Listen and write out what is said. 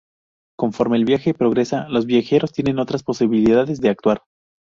Conforme el viaje progresa, los viajeros tienen otras posibilidades de actuar.